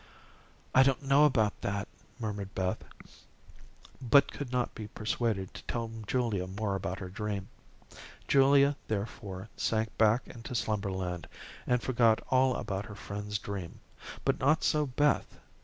"I don't know about that," murmured Beth, but could not be persuaded to tell Julia more about her dream. Julia therefore sank back into slumberland, and forgot all about her friend's dream, but not so Beth.